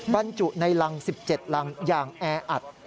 บรรจุในรัง๑๗รังอย่างแออัด